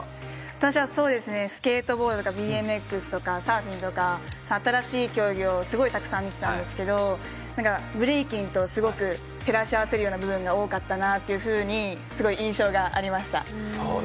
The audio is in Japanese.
私はそうですねスケートボードとかＢＭＸとかサーフィンとか新しい競技をすごいたくさん見てたんですけどブレイキンとすごく照らし合わせるような部分が多かったなというふうにすごい印象がありました